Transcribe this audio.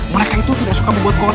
mereka itu tidak suka membuat kotor